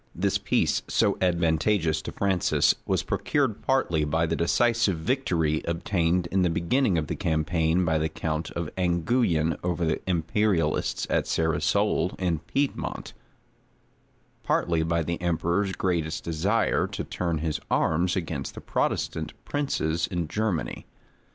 This peace, so advantageous to Francis, was procured partly by the decisive victory obtained in the beginning of the campaign by the count of Anguyen over the imperialists at Cerisolles in Piedmont, partly by the emperor's great desire to turn his arms against the Protestant princes in Germany.